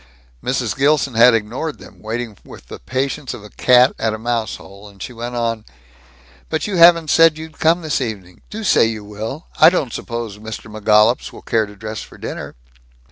Mrs. Gilson had ignored them, waiting with the patience of a cat at a mouse hole, and she went on, "But you haven't said you'd come, this evening. Do say you will. I don't suppose Mr. McGollups will care to dress for dinner?"